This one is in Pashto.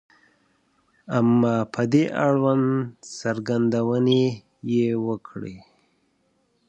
• اما په دې اړوند څرګندونې یې وکړې.